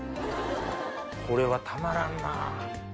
これはたまらんな。